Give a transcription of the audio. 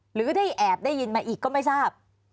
หรือได้แอบได้ยินมาอีกก็ไม่ทราบ